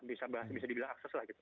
bisa dibilang akses lah gitu